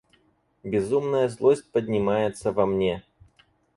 Безумная злость поднимается во мне.